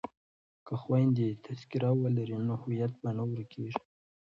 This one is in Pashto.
که خویندې تذکره ولري نو هویت به نه ورکيږي.